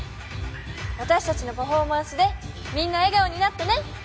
私たちのパフォーマンスでみんな笑顔になってね！